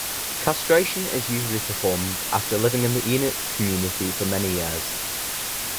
Castration is usually performed after living in the eunuch community for many years.